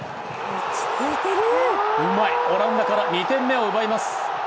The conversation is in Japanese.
うまい、オランダから２点目を奪います。